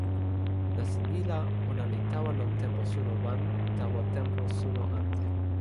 nasin ni la ona li tawa lon tenpo suno wan tawa tenpo suno ante.